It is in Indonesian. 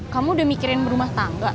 kamu udah mikirin rumah tangga